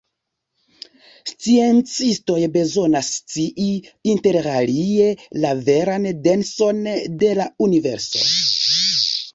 Sciencistoj bezonas scii, interalie, la veran denson de la universo.